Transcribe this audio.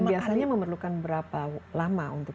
biasanya memerlukan berapa lama untuk